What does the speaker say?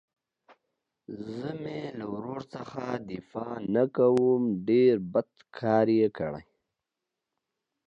زه مې له ورور څخه دفاع نه کوم ډېر بد کار يې کړى.